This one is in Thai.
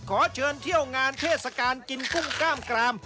ขอเชิญเที่ยวงานเทศกาลกินกุ้งกล้ามกราม